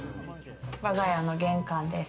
わが家の玄関です。